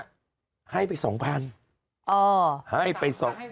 อ๋อใช้ไป๒๐๐๐สองพันใช้ไป๒๐๐๐